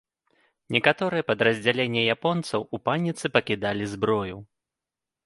Некаторыя падраздзялення японцаў у паніцы пакідалі зброю.